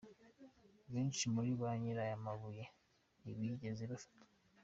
Benshi muri ba nyir’aya mabuye ntibigeze bafatwa.